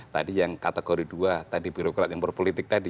tadi yang kategori dua tadi birokrat yang berpolitik tadi